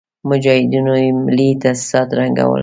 مجاهدينو هم ملي تاسيسات ړنګول.